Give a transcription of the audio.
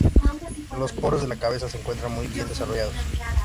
Los poros de la cabeza se encuentran muy bien desarrollados.